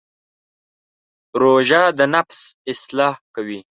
روژه د نفس اصلاح کوي.